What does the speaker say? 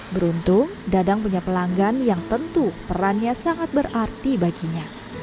beruntung dadang punya pelanggan yang tentu perannya sangat berarti baginya